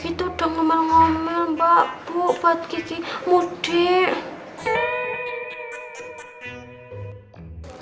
kasihan orangtua yang minta gimana ya udah lah ya udah kalian boleh pulang kampung saya izinin